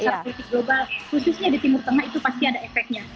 secara fisik global khususnya di timur tengah itu pasti ada efeknya